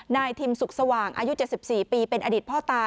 นายทิมสุขสว่างอายุ๗๔ปีเป็นอดีตพ่อตา